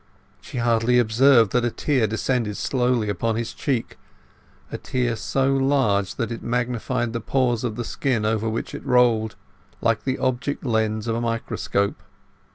She hardly observed that a tear descended slowly upon his cheek, a tear so large that it magnified the pores of the skin over which it rolled, like the object lens of a microscope.